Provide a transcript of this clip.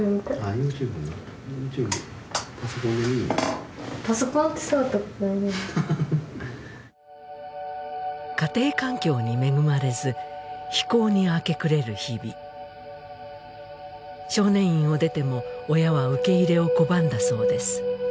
ＹｏｕＴｕｂｅなＹｏｕＴｕｂｅパソコンで家庭環境に恵まれず非行に明け暮れる日々少年院を出ても親は受け入れを拒んだそうです